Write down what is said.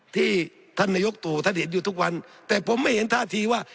ที่ท่านนายกตู่ท่านเห็นอยู่ทุกวันแต่ผมไม่เห็นท่าทีว่า